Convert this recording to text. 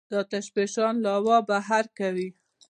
د آتش فشان لاوا بهر کوي.